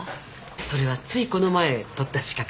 それはついこの前取った資格です